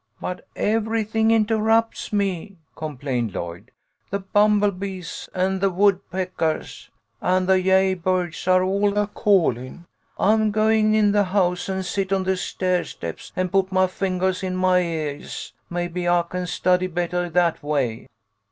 " But everything interrupts me," complained Lloyd. "The bumble bees an' the woodpeckahs an' the jay birds are all a callin". I'm goin' in the house an' sit on the stair steps an' put my fingahs in my yeahs. Maybe I can study bettah that way."